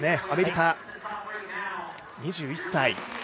アメリカの２１歳。